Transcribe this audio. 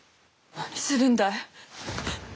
何するんだい！？